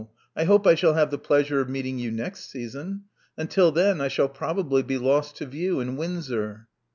I hope I shall have the pleasure of meeting you next season. Until then I shall probably be lost to view in Windsor."